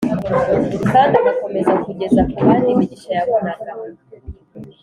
kandi agakomeza kugeza ku bandi imigisha yabonaga.